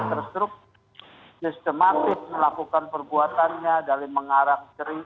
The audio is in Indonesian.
terstruktur sistematis melakukan perbuatannya dari mengharap seri